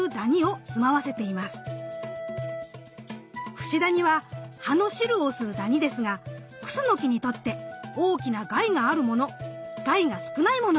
フシダニは葉の汁を吸うダニですがクスノキにとって大きな害があるもの害が少ないものがいます。